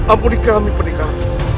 ampuni kami pendekat